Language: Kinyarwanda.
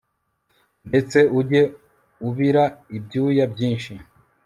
ndetse ujye ubira ibyuya byinshi